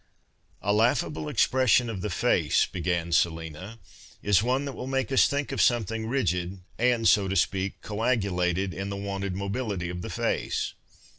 "' A laughable expression of the face," began Selina, "is one that will make us think of something rigid and, so to speak, coagulated, in the wonted mobility of the face.